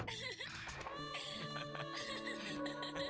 kau semua tahu itu aku benci